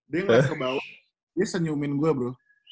dia ngasih ke bawah dia senyumin gue bro